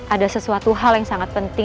ada sesuatu hal yang sangat penting